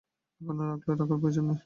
এখন আর আগলে রাখার প্রয়োজন নেই।